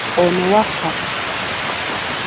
Ono Wakkapa.